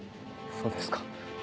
そうですか。